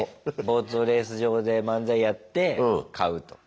ボートレース場で漫才やって買うと。